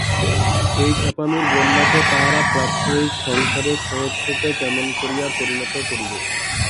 এই খেপামির বন্যাকে তাহারা প্রাত্যহিক সংসারের সহজ স্রোতে কেমন করিয়া পরিণত করিবে।